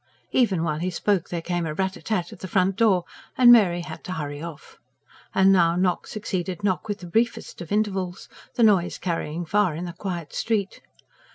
Even while he spoke there came a rat a tat at the front door, and Mary had to hurry off. And now knock succeeded knock with the briefest of intervals, the noise carrying far in the quiet street.